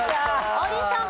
王林さん。